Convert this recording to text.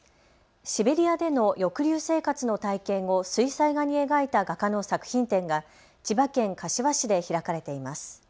シベリアでの抑留生活の体験を水彩画に描いた画家の作品展が千葉県柏市で開かれています。